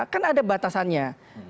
kan ada batasannya